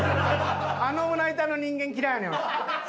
あの胸板の人間嫌いやねんわし。